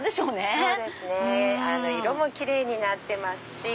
そうですね色もキレイになってますし。